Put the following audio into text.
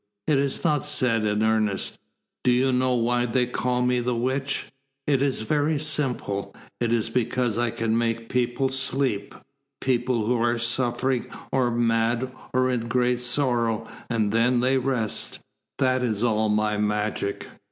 "It is not said in earnest. Do you know why they call me the Witch? It is very simple. It is because I can make people sleep people who are suffering or mad or in great sorrow, and then they rest. That is all my magic."